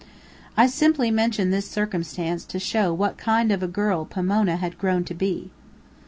I simply mention this circumstance to show what kind of a girl Pomona had grown to be.